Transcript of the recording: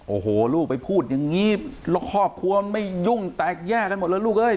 โอ้โหลูกไปพูดอย่างนี้แล้วครอบครัวมันไม่ยุ่งแตกแยกกันหมดเลยลูกเอ้ย